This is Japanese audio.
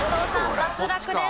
脱落です。